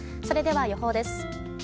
それでは予報です。